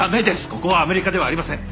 ここはアメリカではありません。